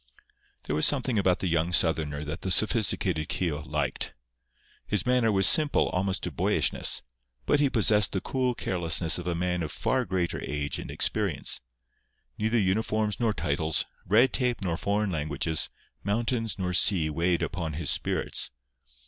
There was something about the young Southerner that the sophisticated Keogh liked. His manner was simple almost to boyishness; but he possessed the cool carelessness of a man of far greater age and experience. Neither uniforms nor titles, red tape nor foreign languages, mountains nor sea weighed upon his spirits.